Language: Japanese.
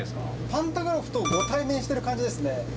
パンタグラフとご対面してる感じですね。